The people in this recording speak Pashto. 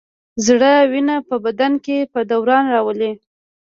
زړه وینه په بدن کې په دوران راولي.